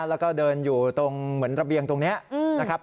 แล้วก็เดินอยู่ตรงเหมือนระเบียงตรงนี้นะครับ